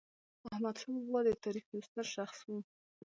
احمدشاه بابا د تاریخ یو ستر شخص و.